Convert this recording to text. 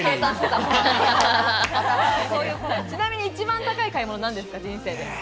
ちなみに一番高い買い物は何ですか？